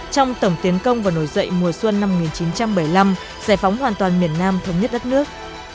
trong tổng tiến công và nổi dậy mùa xuân năm một nghìn chín trăm bảy mươi năm giải phóng hoàn toàn miền nam thống nhất đất nước